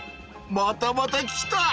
またまた来た！